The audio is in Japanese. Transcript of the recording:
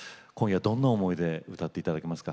どんな思いで歌っていただけますか。